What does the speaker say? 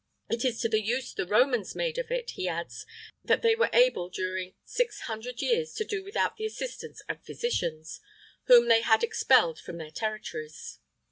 It is to the use the Romans made of it, he adds, that they were able during six hundred years to do without the assistance of physicians, whom they had expelled from their territories.